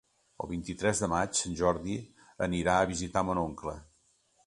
El vint-i-tres de maig en Jordi anirà a visitar mon oncle.